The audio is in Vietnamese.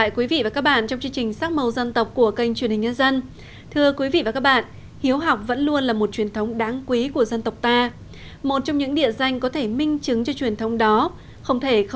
các bạn hãy đăng ký kênh để ủng hộ kênh của chúng mình nhé